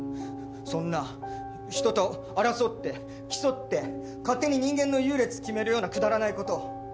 そんな人と争って競って勝手に人間の優劣決めるようなくだらない事。